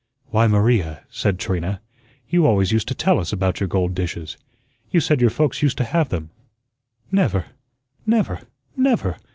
"Why, Maria," said Trina, "you always used to tell us about your gold dishes. You said your folks used to have them." "Never, never, never!"